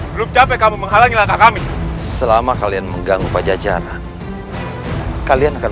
belum capek kamu menghalangi langkah kami selama kalian mengganggu pajajaran kalian akan